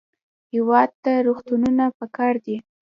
هېواد ته روغتونونه پکار دي